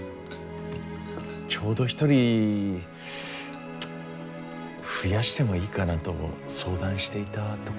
ちょうど一人増やしてもいいかなと相談していたところですし。